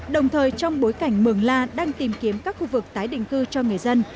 đồng thời trong bối cảnh mường la đang tìm kiếm các khu vực tái định cư cho người dân